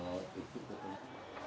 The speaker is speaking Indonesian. di jawa tengah